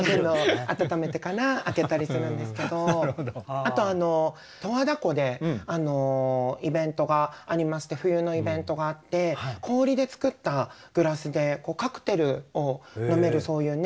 あと十和田湖でイベントがありまして冬のイベントがあって氷で作ったグラスでカクテルを飲めるそういうね